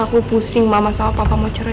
aku pusing mama sama papa mau cerita